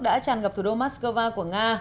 đã tràn ngập thủ đô moscow của nga